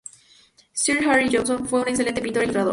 Sir Harry Johnston fue un excelente pintor e ilustrador.